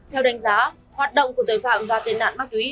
theo đánh giá hoạt động của tội phạm và tên nạn ma túy